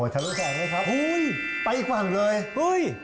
ถะลุแสงเนี่ยครับฮู้ยไปอีกฝั่งเลยฮู้ย